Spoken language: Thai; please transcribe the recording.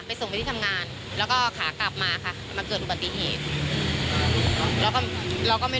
แต่เมื่อเช้ามันก็รถติดอยู่ด้วยกันค่ะ